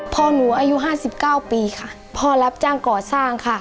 พ่อหนูอายุ๕๙ปีค่ะพ่อรับจ้างก่อสร้างค่ะ